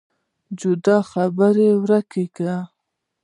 جدي خبرداری ورکړ.